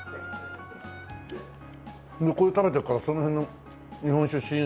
これ食べてからその辺の日本酒試飲